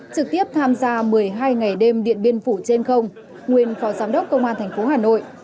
trực tiếp tham gia một mươi hai ngày đêm điện biên phủ trên không nguyên phó giám đốc công an tp hà nội